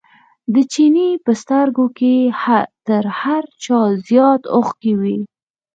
د چیني په سترګو کې تر هر چا زیات اوښکې وې.